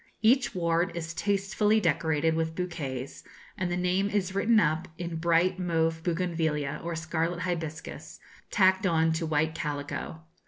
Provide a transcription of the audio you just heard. Each ward is tastefully decorated with bouquets, and the name is written up in bright mauve bougainvillea or scarlet hibiscus, tacked on to white calico.